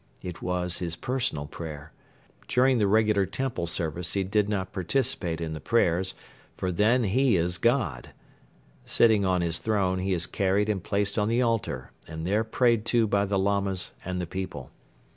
It was his personal prayer. During the regular temple service he did not participate in the prayers, for then he is "God." Sitting on his throne, he is carried and placed on the altar and there prayed to by the Lamas and the people.